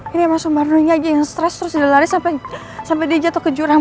ini emang sumbar dulunya aja yang stres terus dia lari sampai dia jatuh ke jurang